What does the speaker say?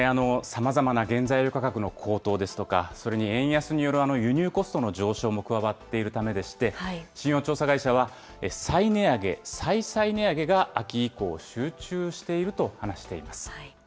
さまざまな原材料価格の高騰ですとか、それに円安による輸入コストの上昇も加わっているためでして、信用調査会社は、再値上げ、再々値上げが秋以降、集中していると話しています。